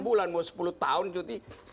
enam bulan mau sepuluh tahun cuti